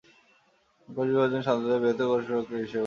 কোষ বিভাজন সাধারণত বৃহত্তর কোষ চক্রের অংশ হিসাবে ঘটে।